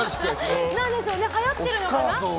はやってるのかな？